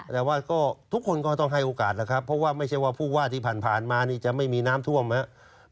แต่ว่าก็ทุกคนก็ต้องให้โอกาสแล้วครับเพราะว่าไม่ใช่ว่าผู้ว่าที่ผ่านมานี่จะไม่มีน้ำท่วมครับ